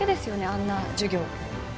あんな授業。